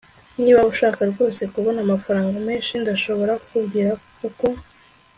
niba ushaka rwose kubona amafaranga menshi, ndashobora kukubwira uko